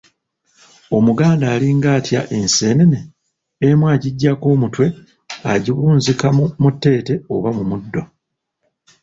Omuganda alinga atya enseenene? emu agiggyako omutwe n’agiwunzika mu tteete oba mu muddo.